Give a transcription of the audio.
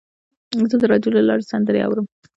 زه د راډیو له لارې سندرې اورم.